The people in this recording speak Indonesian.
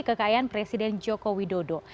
kekayaan presiden joko widodo